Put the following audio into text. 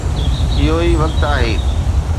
اهو ئي وقت آهي